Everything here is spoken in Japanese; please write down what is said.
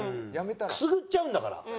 くすぐっちゃうんだから。